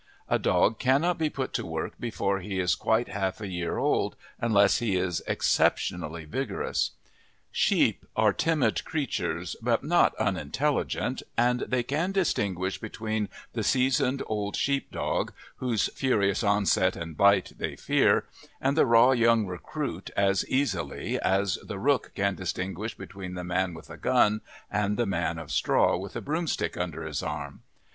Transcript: A dog cannot be put to work before he is quite half a year old unless he is exceptionally vigorous. Sheep are timid creatures, but not unintelligent, and they can distinguish between the seasoned old sheep dog, whose furious onset and bite they fear, and the raw young recruit as easily as the rook can distinguish between the man with a gun and the man of straw with a broomstick under his arm.